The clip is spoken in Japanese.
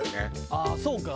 ああそうか。